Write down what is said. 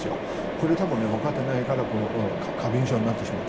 これ、わかっていないから過敏症になってしまって。